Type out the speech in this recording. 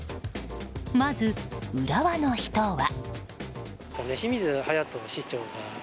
まず、浦和の人は。